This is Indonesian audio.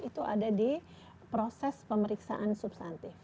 itu ada di proses pemeriksaan substantif